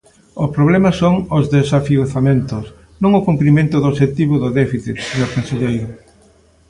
O problema son os desafiuzamentos, non o cumprimento do obxectivo do déficit, señor conselleiro.